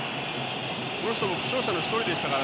この人も負傷者の一人でしたから。